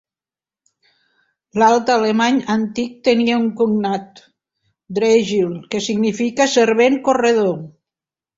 L'alt alemany antic tenia un cognat, "dregil" que significa "servent, corredor".